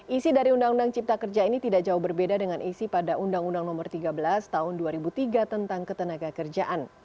isi dari undang undang cipta kerja ini tidak jauh berbeda dengan isi pada undang undang no tiga belas tahun dua ribu tiga tentang ketenaga kerjaan